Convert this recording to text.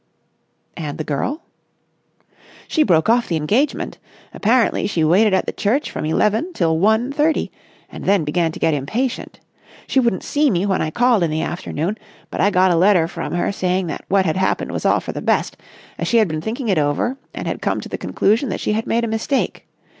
"And the girl?" "She broke off the engagement. Apparently she waited at the church from eleven till one thirty, and then began to get impatient. She wouldn't see me when I called in the afternoon, but I got a letter from her saying that what had happened was all for the best, as she had been thinking it over and had come to the conclusion that she had made a mistake.